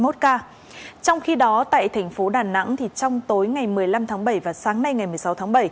trong khi đó tại thành phố đà nẵng thì trong tối ngày một mươi năm tháng bảy và sáng nay ngày một mươi sáu tháng bảy